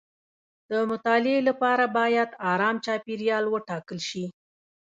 د مطالعې لپاره باید ارام چاپیریال وټاکل شي.